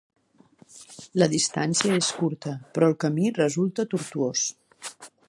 La distància és curta, però el camí resulta tortuós.